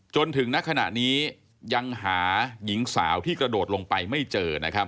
จนถึงนักขณะนี้ยังหายีงสาวที่กระโดดลงไปไม่เจอ